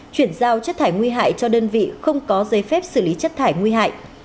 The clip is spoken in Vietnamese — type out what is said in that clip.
chuyển giao chất thải nguy hại cho đơn vị không có giấy phép xử lý chất thải nguy hại